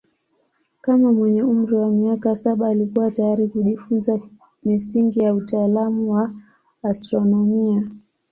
Kama mwenye umri wa miaka saba alikuwa tayari kujifunza misingi ya utaalamu wa astronomia.